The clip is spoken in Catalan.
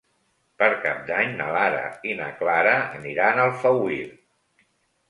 Per Cap d'Any na Lara i na Clara aniran a Alfauir.